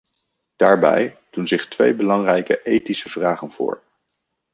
Daarbij doen zich twee belangrijke ethische vragen voor.